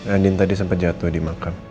andin tadi sempat jatuh di makam